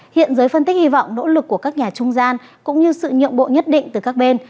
hiện giới phân tích hy vọng nỗ lực của các nhà trung gian cũng như sự nhượng bộ nhất định từ các bên